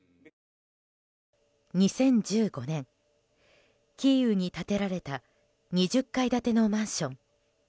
２０１５年、キーウに建てられた２０階建てのマンション。